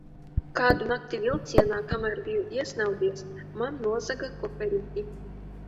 Kādu nakti vilcienā, kamēr biju iesnaudies, man nozaga koferīti.